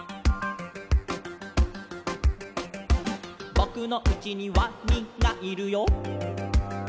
「ぼくのうちにワニがいるよ」